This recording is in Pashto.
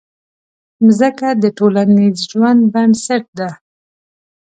مځکه د ټولنیز ژوند بنسټ ده.